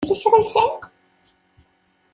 Yella kra ay sɛiɣ?